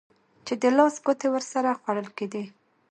چې د لاس ګوتې ورسره خوړل کېدې.